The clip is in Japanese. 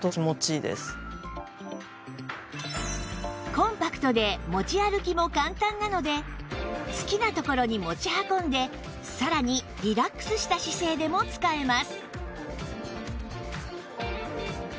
コンパクトで持ち歩きも簡単なので好きな所に持ち運んでさらにリラックスした姿勢でも使えます